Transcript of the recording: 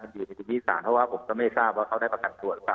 มันอยู่ในดุลพิวิตของสารเพราะว่าผมก็ไม่ทราบว่าเขาได้ประกันตัวหรือเปล่า